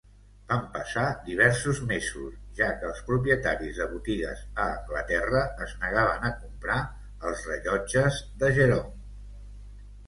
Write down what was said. Van passar diversos mesos, ja que els propietaris de botigues a Anglaterra es negaven a comprar els rellotges de Jerome.